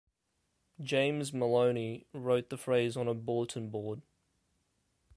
James Maloney, wrote the phrase on a bulletin board.